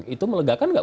itu melegakan tidak